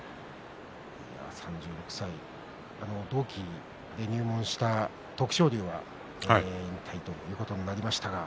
３６歳、同期で入門した徳勝龍は引退ということになりました。